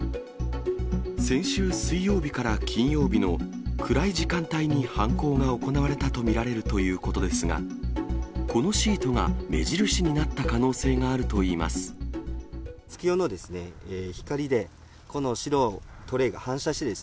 先週水曜日から金曜日の暗い時間帯に犯行が行われたと見られるということですが、このシートが目印になった可能性があるといいます。